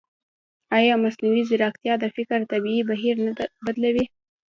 ایا مصنوعي ځیرکتیا د فکر طبیعي بهیر نه بدلوي؟